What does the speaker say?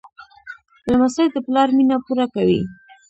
لمسی د پلار مینه پوره کوي.